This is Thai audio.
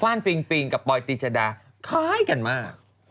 ฟวานปิงปิงกับปลอยติชาดาคล้ายกันมาก